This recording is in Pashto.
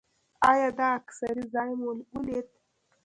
ایا د اکسرې ځای مو ولید؟